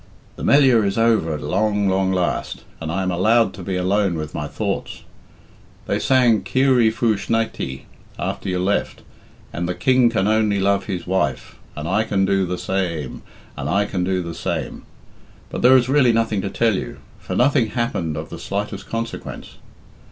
"The Melliah is over at long, long last, and I am allowed to be alone with my thoughts. They sang 'Keerie fu Snaighty' after you left, and 'The King can only love his wife, And I can do the sa a me, And I can do the same.' But there is really nothing to tell you, for nothing happened of the slightest consequence.